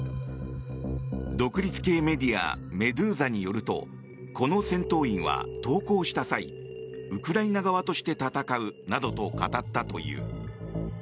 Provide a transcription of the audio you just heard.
独立系メディアメドゥーザによるとこの戦闘員は投降した際ウクライナ側として戦うなどと語ったという。